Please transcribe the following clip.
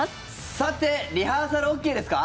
さてリハーサルＯＫですか？